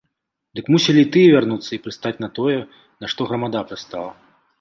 Дык мусілі і тыя вярнуцца і прыстаць на тое, на што грамада прыстала.